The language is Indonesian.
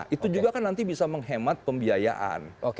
itu juga kan nanti bisa menghemat pembiayaan